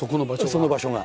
その場所が。